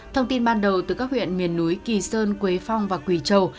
thông tin ban đầu từ các huyện miền núi kỳ sơn quế phong và quỳ châu